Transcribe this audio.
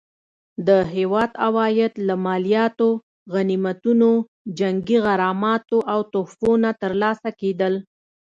د هیواد عواید له مالیاتو، غنیمتونو، جنګي غراماتو او تحفو نه ترلاسه کېدل.